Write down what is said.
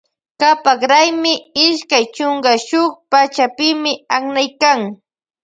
Kapak raymi ishkay chunka shuk pachapimi aknaykan.